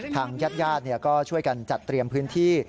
ทางญาติญาติก็ช่วยกันจัดเตรียมพื้นที่